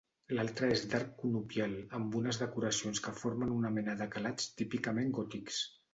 L'altra és d'arc conopial amb unes decoracions que formen una mena de calats típicament gòtics.